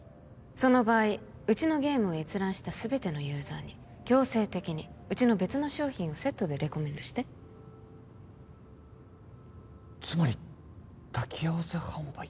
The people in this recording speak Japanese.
その場合うちのゲームを閲覧した全てのユーザーに強制的にうちの別の商品をセットでレコメンドしてつまり抱き合わせ販売？